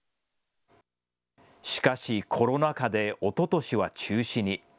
しかしコロナ禍でおととしは中止に。